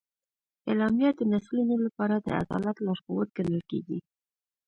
اعلامیه د نسلونو لپاره د عدالت لارښود ګڼل کېږي.